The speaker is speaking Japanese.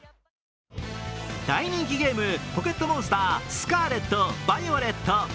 大人気ゲーム「ポケットモンスタースカーレット・バイオレット」。